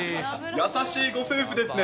優しいご夫婦ですね。